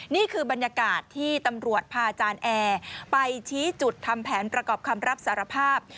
นี่คือบรรยากาศที่ตำรวจพาอาจารย์แอร์ไปชี้จุดทำแผนประกอบคำรับสารภาพ